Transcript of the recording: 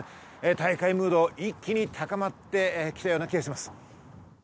大会ムード、一気に高まって来たような気がします。